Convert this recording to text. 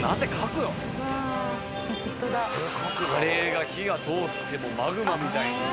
カレーが火が通ってもマグマみたいに。